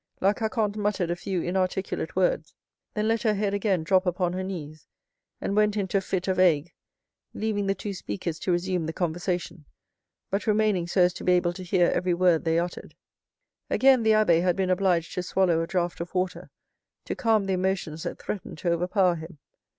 La Carconte muttered a few inarticulate words, then let her head again drop upon her knees, and went into a fit of ague, leaving the two speakers to resume the conversation, but remaining so as to be able to hear every word they uttered. Again the abbé had been obliged to swallow a draught of water to calm the emotions that threatened to overpower him.